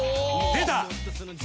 出た。